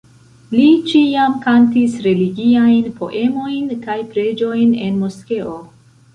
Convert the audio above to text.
Li ĉiam kantis religiajn poemojn kaj preĝojn en moskeo.